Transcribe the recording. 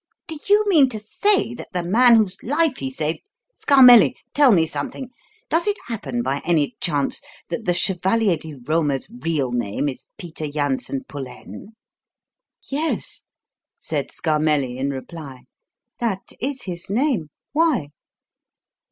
"Do you mean to say that the man whose life he saved Scarmelli tell me something: Does it happen by any chance that the 'Chevalier di Roma's' real name is Peter Janssen Pullaine?" "Yes," said Scarmelli, in reply. "That is his name. Why?"